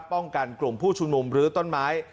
ป้องกันกลุ่มผู้ชุมนุมรื้อต้นไม้